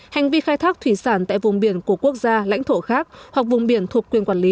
hành vi khai thác thủy sản tại vùng biển của quốc gia lãnh thổ khác hoặc vùng biển thuộc quyền quản lý